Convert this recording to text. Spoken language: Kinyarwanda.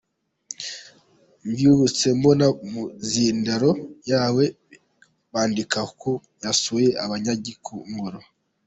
Mbyutse mbona mu mizindaro yawe bandika ko wasuye abanyagikongoro.